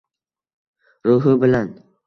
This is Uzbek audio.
Ruhi bilan